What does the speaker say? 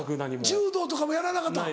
柔道とかもやらなかったん？